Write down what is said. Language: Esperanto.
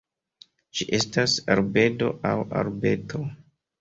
Ĝi estas arbedo aŭ arbeto.